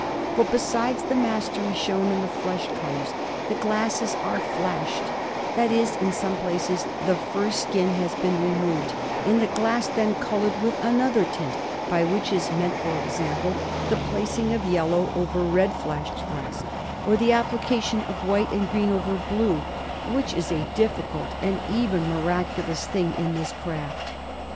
For besides the mastery shown in the flesh colours, the glasses are flashed; that is, in some places the first skin has been removed, and the glass then coloured with another tint; by which is meant, for example, the placing of yellow over red flashed glass, or the application of white and green over blue; which is a difficult and even miraculous thing in this craft.